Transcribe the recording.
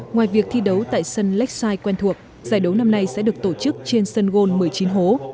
ngoài việc thi đấu tại sân laksai quen thuộc giải đấu năm nay sẽ được tổ chức trên sân gôn một mươi chín hố